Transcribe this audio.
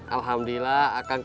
udah jadinya ketiga kali